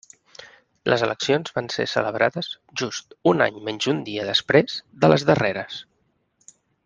Les eleccions van ser celebrades just un any menys un dia després de les darreres.